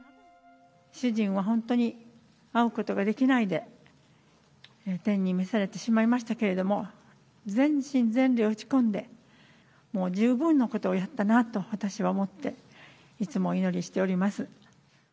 主人は本当に会うことができないで天に召されてしまいましたけれども、全身全霊を打ち込んで、もう十分なことをやったなと私は思って、いつもお祈りしております。